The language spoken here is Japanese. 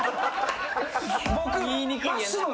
僕。